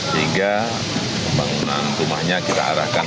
sehingga pembangunan rumahnya kita arahkan